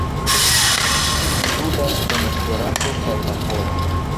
Ĝi ludas en Esperanto kaj la pola.